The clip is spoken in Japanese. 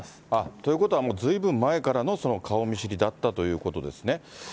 ということはもう、ずいぶん前からの顔見知りだったということですね。